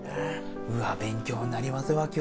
うわっ勉強になりますわ今日。